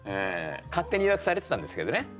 勝手に誘惑されてたんですけどね。